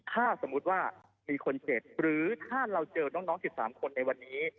ถ้าสมมุติว่ามีคนเจ็บหรือถ้าเราเจอน้อง๑๓คนในวันนี้